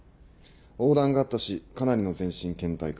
黄疸があったしかなりの全身倦怠感。